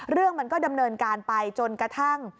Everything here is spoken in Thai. เรื่องมันก็ดำเนินการไปจนกระทั่ง